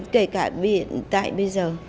kể cả hiện tại bây giờ